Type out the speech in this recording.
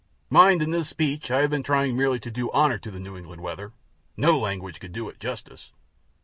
Mind, in this speech I have been trying merely to do honor to the New England weather no language could do it justice.